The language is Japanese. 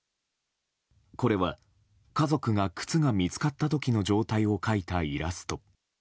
これは家族が靴が見つかった時の状態を描いたイラスト。